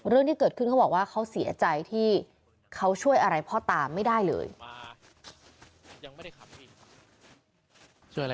เรื่องที่เกิดขึ้นเขาบอกว่าเขาเสียใจที่เขาช่วยอะไรพ่อตาไม่ได้เลย